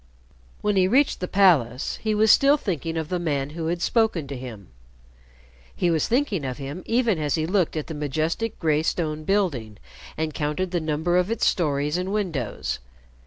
When he reached the palace, he was still thinking of the man who had spoken to him. He was thinking of him even as he looked at the majestic gray stone building and counted the number of its stories and windows.